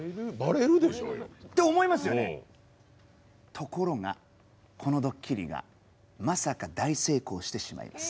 ところがこのドッキリがまさか大成功してしまいます。